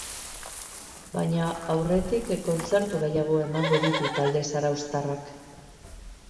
Baina aurretik kontzertu gehiago emango ditu talde zarauztarrak.